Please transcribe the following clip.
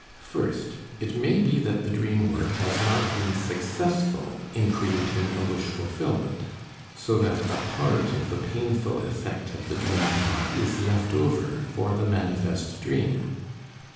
First: It may be that the dream work has not been successful in creating a wish fulfillment, so that a part of the painful effect of the dream thought is left over for the manifest dream.